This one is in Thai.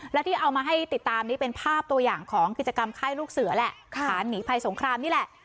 และที่เอามาให้ติดตามนี้เป็นภาพตัวอย่างของกิจกรรมค่ายลูกเสือแหละฐานหนีภัยสงครามนี่แหละ